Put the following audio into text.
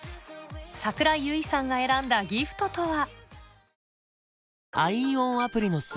櫻井優衣さんが選んだギフトとは？